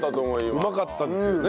うまかったですよね。